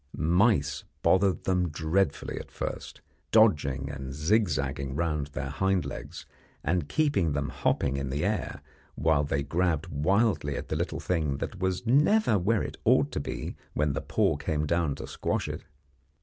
Mice bothered them dreadfully at first, dodging and zigzagging round their hind legs, and keeping them hopping in the air, while they grabbed wildly at the little thing that was never where it ought to be when the paw came down to squash it.